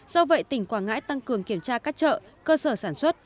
do vậy tỉnh quảng ngãi tăng cường kiểm tra các chợ cơ sở sản xuất